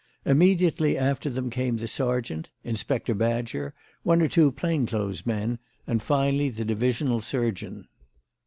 Immediately after them came the sergeant, Inspector Badger, one or two plain clothes men, and finally the divisional surgeon.